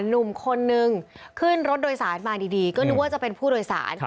หนุ่มคนนึงขึ้นรถโดยสารมาดีก็นึกว่าจะเป็นผู้โดยสาร